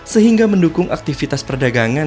sehingga mendukung aktivitas perdagangan